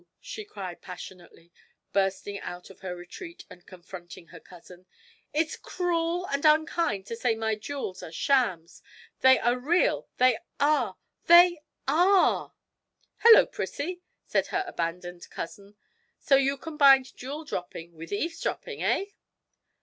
she cried passionately, bursting out of her retreat and confronting her cousin; 'it's cruel and unkind to say my jewels are shams! They are real they are, they are!' 'Hullo, Prissie!' said her abandoned cousin; 'so you combine jewel dropping with eaves dropping, eh?'